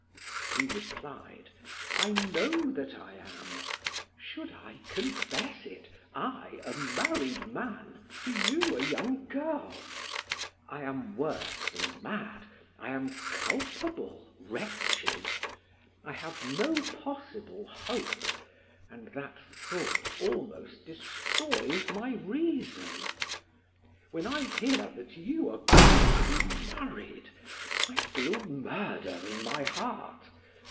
He replied: "I know that I am! Should I confess it I, a married man, to you, a young girl? I am worse than mad I am culpable, wretched I have no possible hope, and that thought almost destroys my reason. When I hear that you are going to be married, I feel murder in my heart.